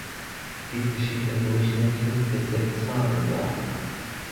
Dies geschieht im Durchschnitt fünf bis sechsmal im Jahr.